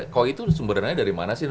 kalau itu sumber dananya dari mana sih